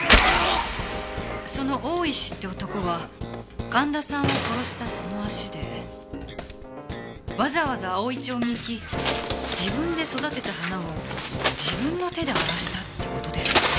その大石って男は神田さんを殺したその足でわざわざ葵町に行き自分で育てた花を自分の手で荒らしたって事ですよね？